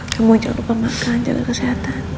kamu jangan lupa makan jaga kesehatan